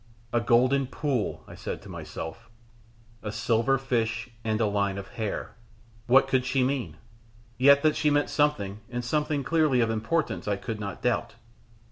"A golden pool," I said to myself, "a silver fish, and a line of hair." What could she mean? Yet that she meant something, and something clearly of importance, I could not doubt.